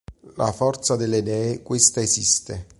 La forza delle idee, questa esiste.